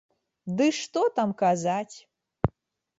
Ды што там казаць!